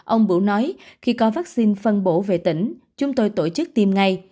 ông bữu nói khi có vaccine phân bổ về tỉnh chúng tôi tổ chức tiêm ngay